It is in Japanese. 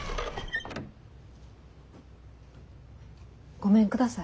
ごめんください。